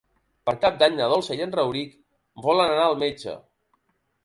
Per Cap d'Any na Dolça i en Rauric volen anar al metge.